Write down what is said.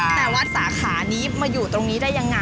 แต่วัดสาขานี้มาอยู่ตรงนี้ได้ยังไง